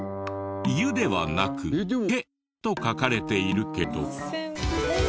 「ゆ」ではなく「け」と書かれているけど。